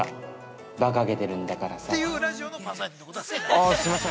◆あっ、すみません。